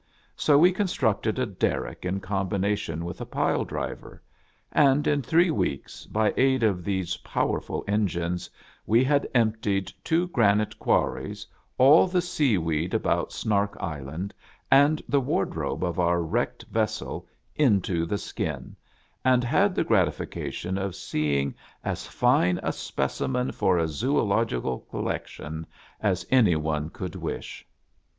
So *e con structed a derrick in combination with a pile driver; and in three weeks, by aid of these powerful engines, we had emptied two granite quarries, all the sea weed about Snark Island, and the wardrobe of our wrecked vessel into the skin, and had the gratification of see ing as fine a specimen for a zoological collection as any one could wish.